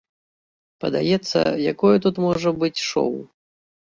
Падаецца, якое тут можа быць шоў?